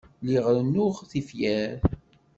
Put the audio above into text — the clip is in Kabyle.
Lliɣ rennuɣ tifyar.